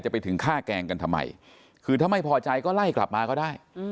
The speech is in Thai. ไปถึงฆ่าแกล้งกันทำไมคือถ้าไม่พอใจก็ไล่กลับมาก็ได้